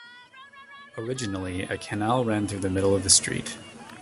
Originally, a canal ran through the middle of the street.